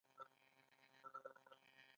د سالنګ تونل هوا ککړه ده